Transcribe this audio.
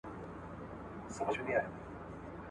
املا د سواد ګام دی.